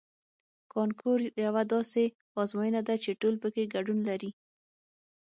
کانکور یوه داسې ازموینه ده چې ټول پکې ګډون لري